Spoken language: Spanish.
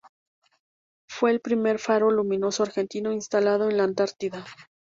Fue el primer faro luminoso argentino instalado en la Antártida.